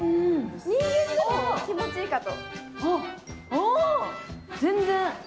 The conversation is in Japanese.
人間でも気持ちいいかと。